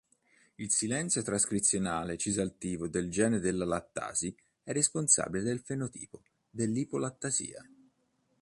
Il silenzio trascrizionale Cis-attivo del gene della lattasi è responsabile del fenotipo dell'ipolattasia.